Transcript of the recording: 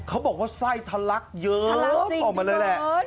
เขาบอกว่าไส้ทะลักเยิ้มออกมาเลยแหละ